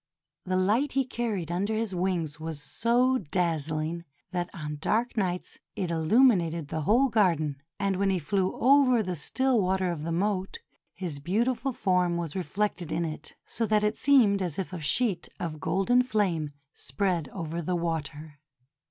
The light he carried under his wings was so dazzling that on dark nights it illumined the whole garden, and when he flew over the still water of the moat, his beautiful form was reflected in it, so that it seemed as if a sheet of golden flame spread over the water.